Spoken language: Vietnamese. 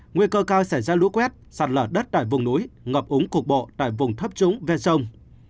nguy cơ cao xảy ra lũ quét sạt lở đất tại vùng núi ngập úng cục bộ tại vùng thấp trúng ven sông